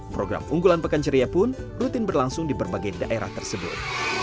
program unggulan pekan ceria pun rutin berlangsung di berbagai daerah tersebut